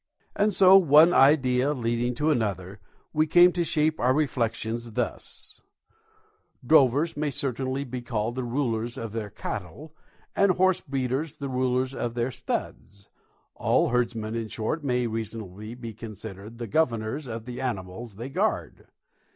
And so, one idea leading to another, we came to shape our reflexions thus: Drovers may certainly be called the rulers of their cattle and horse breeders the rulers of their studs all herdsmen, in short, may reasonably be considered the governors of the animals they guard.